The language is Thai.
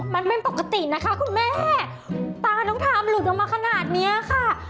มันไม่ปกตินะคะคุณแม่ตาน้องทามหลุดออกมาขนาดนี้ค่ะ